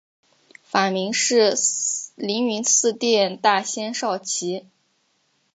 法名是灵云寺殿大仙绍其。